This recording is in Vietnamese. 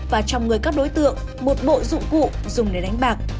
và trong người các đối tượng một bộ dụng cụ dùng để đánh bạc